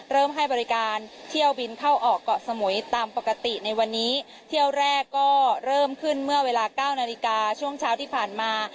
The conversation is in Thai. ให้บริการเที่ยวบินเข้าออกเกาะสมุยตามปกติในวันนี้เที่ยวแรกก็เริ่มขึ้นเมื่อเวลาเก้านาฬิกาช่วงเช้าที่ผ่านมา